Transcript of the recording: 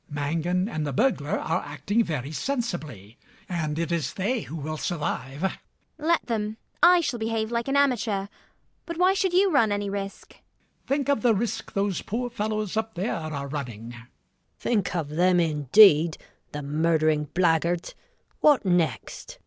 Mangan and the burglar are acting very sensibly; and it is they who will survive. ELLIE. Let them. I shall behave like an amateur. But why should you run any risk? MAZZINI. Think of the risk those poor fellows up there are running! NURSE GUINNESS. Think of them, indeed, the murdering blackguards! What next?